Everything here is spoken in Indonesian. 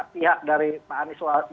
pihak dari pak anies